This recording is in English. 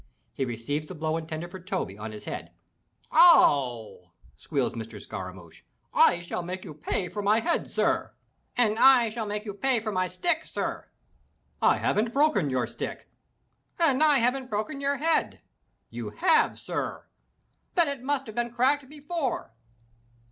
he receives the blow intended for Toby on his head. "Ow wow!" squeals Mr. Scaramouch, "I shall make you pay for my head, sir!" 441 MY BOOK HOUSE "And I shall make you pay for my stick, sir!' "I haven't broken your stick!" "And I haven't broken your head!" "You have, sir!" "Then it must have been cracked before!"